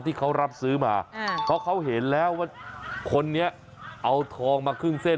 ที่เขารับซื้อมาเพราะเขาเห็นแล้วว่าคนนี้เอาทองมาครึ่งเส้น